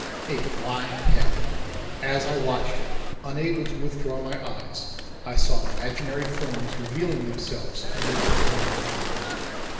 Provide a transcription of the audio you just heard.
A Flying Hell. As I watched it, unable to withdraw my eyes, I saw imaginary forms revealing themselves amid the flaming meteors.